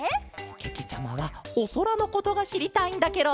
けけちゃまはおそらのことがしりたいんだケロ。